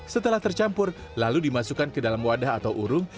setelah tercampur lalu dimasukkan ke dalam wadah atau urung